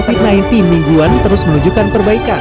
covid sembilan belas mingguan terus menunjukkan perbaikan